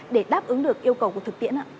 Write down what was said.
để đáp ứng được yêu cầu của thực tiễn ạ